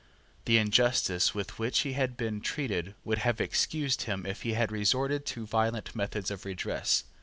The injustice with which he had been treated would have excused him if he had resorted to violent methods of redress.